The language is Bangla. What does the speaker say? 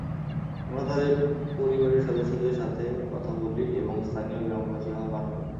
আমরা তাদের পরিবারের সদস্যদের সাথে কথা বলি এবং স্থানীয় গ্রামবাসী হওয়ার ভান করি।